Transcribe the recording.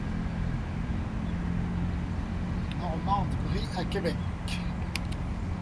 Normand Brie, à Québec.